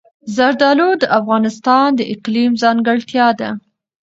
زردالو د افغانستان د اقلیم ځانګړتیا ده.